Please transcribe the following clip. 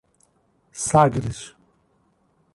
Sagres